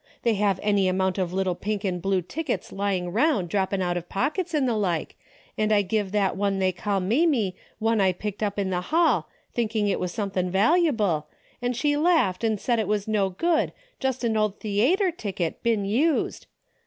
They have any amount of little pink and blue tickets lying round droppin' out of pockets and the like, an' I give that one they call Mamie one I picked up in the hall, thinkin' it was something valu able, an' she laughed an' said it was no good, just an old the <zy tre ticket, been used.